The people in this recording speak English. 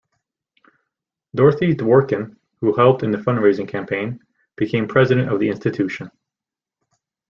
Dorothy Dworkin, who helped in the fundraising campaign, became president of the institution.